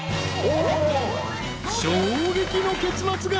［衝撃の結末が］